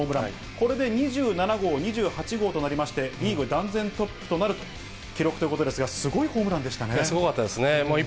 これで２７号、２８号となりまして、リーグ断然トップとなるという記録ということですが、すごいホームランでしたね。